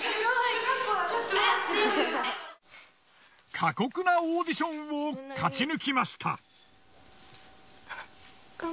過酷なオーディションを勝ち抜きました。